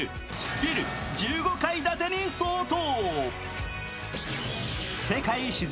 ビル１５階建てに相当。